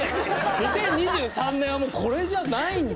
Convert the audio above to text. ２０２３年はもうこれじゃないんだ。